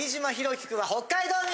騎君は北海道民！